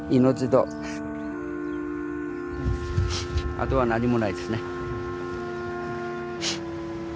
あとは何もないですね。